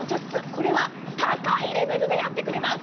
これは高いレベルでやってくれます。